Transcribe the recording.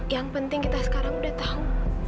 yang penting kita sekarang udah tahu